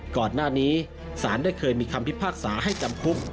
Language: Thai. ก่อนหน้านี้สารได้เคยมีคำพิพากษาให้จำคุก